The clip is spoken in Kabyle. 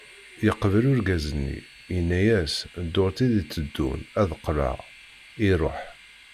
Yeqbel urgaz-nni, yenna-as, ddurt i d-iteddun ad d-qqleɣ, iruḥ.